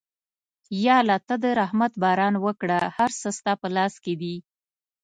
یا الله ته د رحمت باران وکړه، هر څه ستا په لاس کې دي.